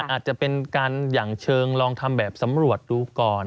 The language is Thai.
อาจจะเป็นการหยั่งเชิงลองทำแบบสำรวจดูก่อน